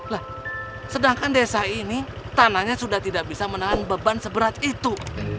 lah sedangkan desa ini tanahnya sudah tidak bisa menahan beban seberat itu